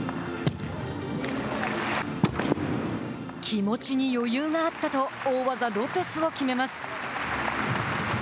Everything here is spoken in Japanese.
気持ちに余裕があったと大技・ロペスを決めます。